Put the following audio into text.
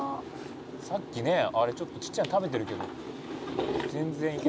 「さっきねちょっとちっちゃいの食べてるけど全然いけた」